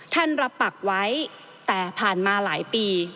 รับปักไว้แต่ผ่านมาหลายปี